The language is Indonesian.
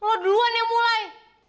lo duluan yang mulai